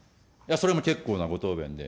それも結構なご答弁で。